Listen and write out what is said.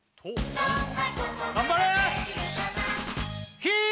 頑張れ！